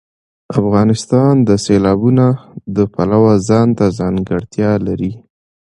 افغانستان د سیلابونه د پلوه ځانته ځانګړتیا لري.